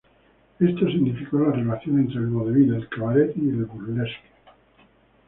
Esto significó la relación entre el vodevil, el cabaret y el burlesque.